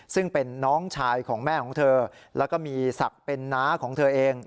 ซึ่งเป็นน้องชายของแม่ของเธอแล้วก็มีศักดิ์เป็นน้าของเธอเอง